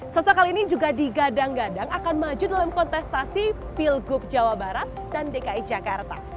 sosok kali ini juga digadang gadang akan maju dalam kontestasi pilgub jawa barat dan dki jakarta